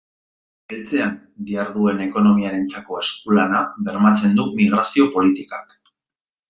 Beltzean diharduen ekonomiarentzako esku-lana bermatzen du migrazio politikak.